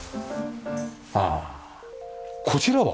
ああこちらは？